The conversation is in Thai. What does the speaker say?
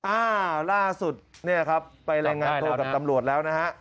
อ่าฝ์ล่าสุดนี่ครับไปรังงานโทษกับตำรวจแล้วนะครับ